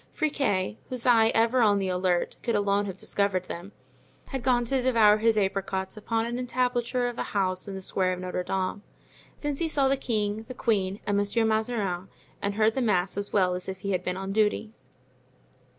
Friquet, whose eye, ever on the alert, could alone have discovered them, had gone to devour his apricots upon the entablature of a house in the square of Notre Dame. Thence he saw the king, the queen and Monsieur Mazarin, and heard the mass as well as if he had been on duty.